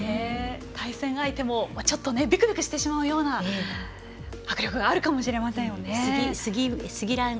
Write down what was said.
対戦相手もびくびくしてしまうような迫力があるかもしれませんね。